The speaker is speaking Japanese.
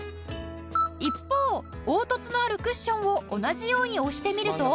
一方凹凸のあるクッションを同じように押してみると。